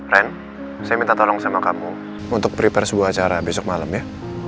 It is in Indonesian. ren saya minta tolong sama kamu untuk prepare sebuah acara besok malam ya